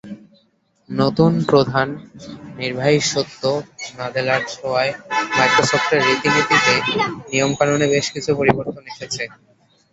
নতুন প্রধান নির্বাহী সত্য নাদেলার ছোঁয়ায় মাইক্রোসফটের রীতি-নীতিতে, নিয়মকানুনে বেশ কিছু পরিবর্তন এসেছে।